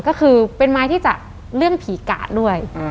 ก็คือเป็นไม้ที่จะเรื่องผีกาดด้วย